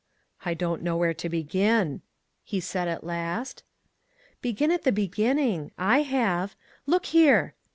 I don't know where to begin," he said at last. " Begin at the beginning ; I have. Look here."